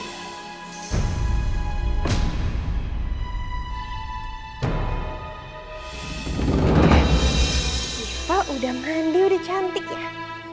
kita udah mandi udah cantik ya